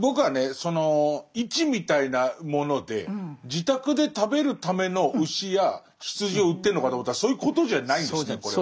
その市みたいなもので自宅で食べるための牛や羊を売ってるのかと思ったらそういうことじゃないんですねこれは。